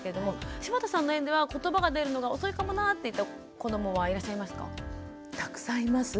柴田さんの園ではことばが出るのが遅いかもなっていった子どもはいらっしゃいますか？